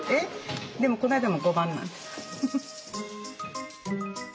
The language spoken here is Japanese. でもこの間も５番なんです。